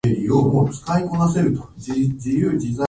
わたしはねむいです。